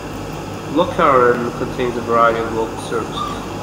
Lochcarron contains a variety of local services.